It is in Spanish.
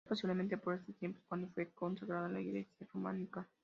Fue posiblemente por estos tiempos cuando fue consagrada la iglesia románica.